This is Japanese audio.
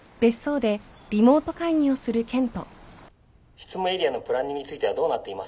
執務エリアのプランニングについてはどうなっていますか？